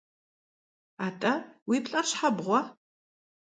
АтӀэ, уи плӀэр щхьэ бгъуэ?